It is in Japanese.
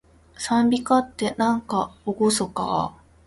讃美歌って、なんかおごそかー